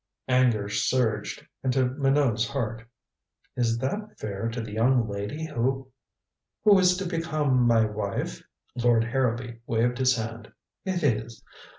Anger surged into Minot's heart. "Is that fair to the young lady who " "Who is to become my wife?" Lord Harrowby waved his hand. "It is.